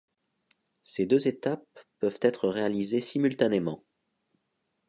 Ces deux étapes peuvent être réalisées simultanément.